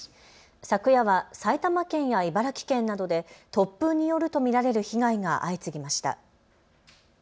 昨夜は埼玉県や茨城県などで突風によると見られる被害が相次ぎました。